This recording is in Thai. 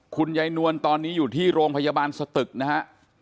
คุณยายนวลตอนนี้อยู่ที่โรงพยาบาลสตึกนะฮะ